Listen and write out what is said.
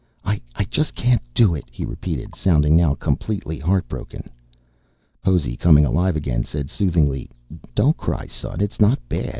"I just can't do it," he repeated, sounding now completely heart broken. Possy, coming alive again, said soothingly, "Don't cry, son. It's not bad.